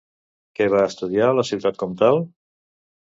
Què va estudiar a la ciutat comtal?